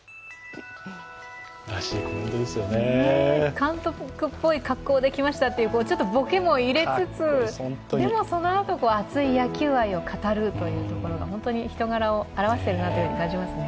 監督っぽい格好で来ましたっていうちょっとボケも入れつつ、でも、そのあと熱い野球愛を語るところが本当に人柄を表しているなと感じますね。